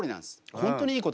本当にいい言葉。